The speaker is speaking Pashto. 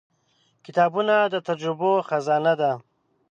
• کتابونه د تجربو خزانه ده.